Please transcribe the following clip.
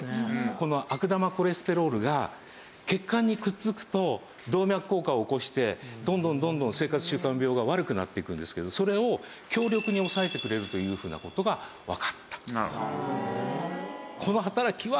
この悪玉コレステロールが血管にくっつくと動脈硬化を起こしてどんどんどんどん生活習慣病が悪くなっていくんですけどそれを強力に抑えてくれるというふうな事がわかった。